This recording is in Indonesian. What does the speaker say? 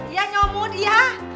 ya nyamuk dia